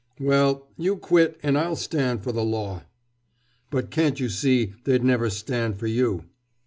"Well, you quit, and I'll stand for the Law!" "But, can't you see, they'd never stand for you!"